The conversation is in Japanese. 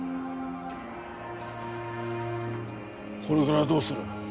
これからどうする？